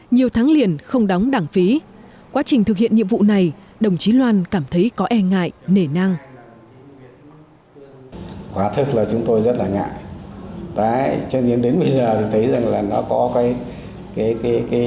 nhiều tháng trước trì bộ đã trả lời